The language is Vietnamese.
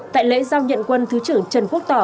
tại lễ giao nhận quân thứ trưởng trần quốc tỏ